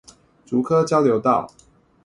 竹科交流道